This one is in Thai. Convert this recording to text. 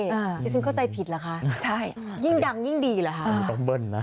ก็ฉันเข้าใจผิดล่ะค่ะยิ่งดังยิ่งดีหรอคะ